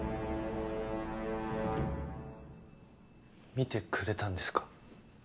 見てくれたんですか？